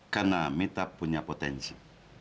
karena mita punya potensi